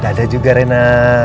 dadah juga rena